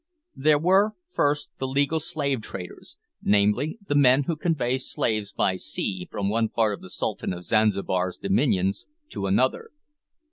There were, first the legal slave traders, namely, the men who convey slaves by sea from one part of the Sultan of Zanzibar's dominions to another.